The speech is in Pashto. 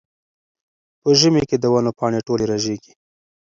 په ژمي کې د ونو پاڼې ټولې رژېږي.